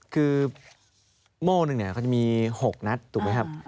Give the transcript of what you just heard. คือโม่หนึ่งเนี่ยเขาจะมี๖นัดถูกไหมครับ